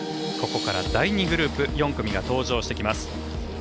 ここから第２グループ４組が登場してきます。